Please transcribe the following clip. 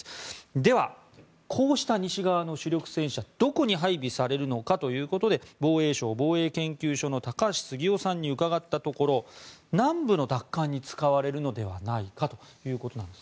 では、こうした西側の主力戦車どこに配備されるのかということで防衛省防衛研究所の高橋杉雄さんに伺ったところ南部の奪還に使われるのではないかということです。